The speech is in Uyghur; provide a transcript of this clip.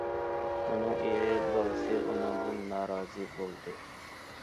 ئۇنىڭ ئېرى، بالىسى ئۇنىڭدىن نارازى بولدى.